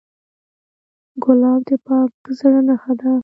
ګلاب د پاک زړه نښه ده.